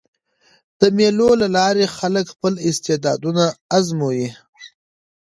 د مېلو له لاري خلک خپل استعدادونه آزمويي.